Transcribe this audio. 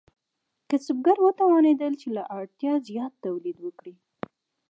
کسبګر وتوانیدل چې له اړتیا زیات تولید وکړي.